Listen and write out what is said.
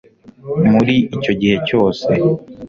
muri icyo gihe cyose